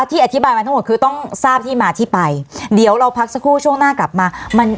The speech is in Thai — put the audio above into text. อธิบายมาทั้งหมดคือต้องทราบที่มาที่ไปเดี๋ยวเราพักสักครู่ช่วงหน้ากลับมามัน